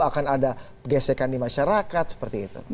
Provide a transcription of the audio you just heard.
akan ada gesekan di masyarakat seperti itu